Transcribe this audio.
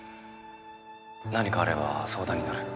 何かあれば相談に乗る。